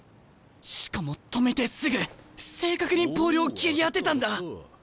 しかも止めてすぐ正確にポールを蹴り当てたんだ！